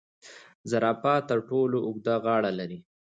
زرافه تر ټولو اوږده غاړه لري